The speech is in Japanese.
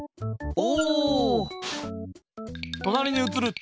お！